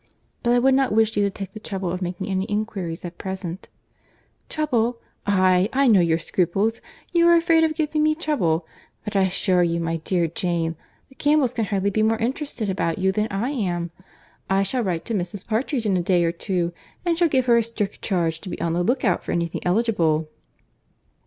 But I would not wish you to take the trouble of making any inquiries at present." "Trouble! aye, I know your scruples. You are afraid of giving me trouble; but I assure you, my dear Jane, the Campbells can hardly be more interested about you than I am. I shall write to Mrs. Partridge in a day or two, and shall give her a strict charge to be on the look out for any thing eligible."